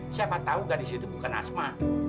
siapa tahu gadis itu bukan asma